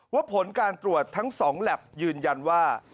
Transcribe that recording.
ผลการตรวจทั้ง๒แล็บยืนยันว่า